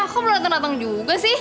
kok belotong lotong juga sih